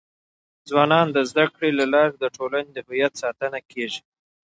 ځوانان د زده کړي له لارې د ټولنې د هویت ساتنه کيږي.